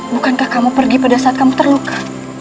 bukankah kamu pergi pada saat kamu terluka